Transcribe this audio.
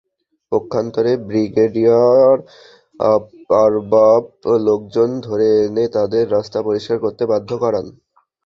পক্ষান্তরে ব্রিগেডিয়ার আরবাব লোকজন ধরে এনে তাদের রাস্তা পরিষ্কার করাতে বাধ্য করান।